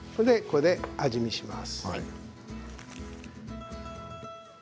これで味見します。